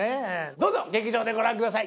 どうぞ劇場でご覧ください！